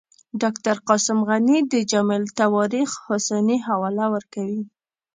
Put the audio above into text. ډاکټر قاسم غني د جامع التواریخ حسني حواله ورکوي.